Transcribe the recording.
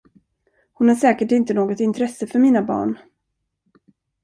Hon har säkert inte något intresse för mina barn.